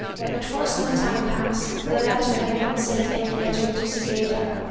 But for some time past the latter had not sent any letter to Cicada.